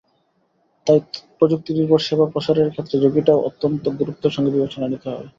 তাই প্রযুক্তিনির্ভর সেবা প্রসারের ক্ষেত্রে ঝুঁকিটাকেও অত্যন্ত গুরুত্বের সঙ্গে বিবেচনায় নিতে হবে।